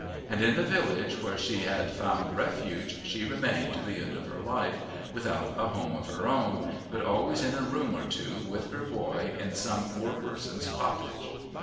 And in the village where she had found refuge she remained to the end of her life, without a home of her own, but always in a room or two with her boy in some poor person's cottage.